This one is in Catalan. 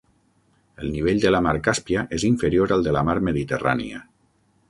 El nivell de la mar Càspia és inferior al de la mar Mediterrània.